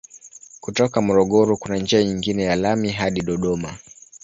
Kutoka Morogoro kuna njia nyingine ya lami hadi Dodoma.